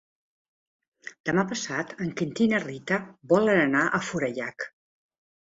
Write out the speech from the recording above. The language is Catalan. Demà passat en Quintí i na Rita volen anar a Forallac.